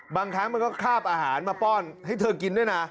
บางครั้งมันก็คาบอาหารมาป้อนให้เธอกินด้วยนะ